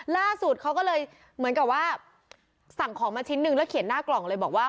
ล่าสุดเขาก็เลยเหมือนกับว่าสั่งของมาชิ้นนึงแล้วเขียนหน้ากล่องเลยบอกว่า